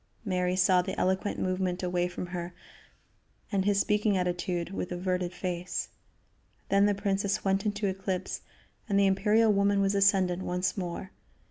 Mary saw the eloquent movement away from her and his speaking attitude, with averted face; then the princess went into eclipse, and the imperial woman was ascendant once more.